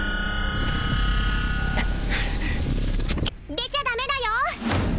出ちゃダメだよ